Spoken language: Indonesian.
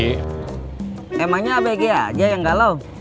emangnya abg aja yang galau